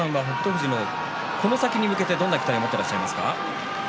富士この先に向けてどんな期待を持っていらっしゃいますか？